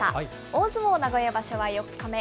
大相撲名古屋場所は４日目。